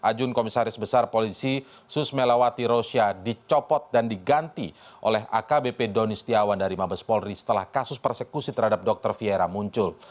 ajun komisaris besar polisi susmelawati rosia dicopot dan diganti oleh akbp doni setiawan dari mabes polri setelah kasus persekusi terhadap dr fiera muncul